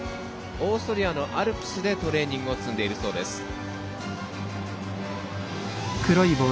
オーストリアのアルプスでトレーニングを積んでいるそうです。